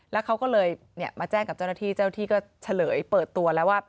แล้วเขาก็เลยมาแจ้งกับเจ้าหน้าที่เจ้าหน้าที่ก็เฉลยเปิดตัวแล้วว่า